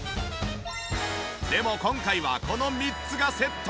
でも今回はこの３つがセット。